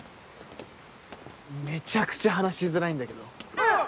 めちゃくちゃ話しづらいんだけど。